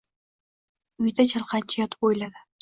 Uyida chalqancha yotib o‘yladi.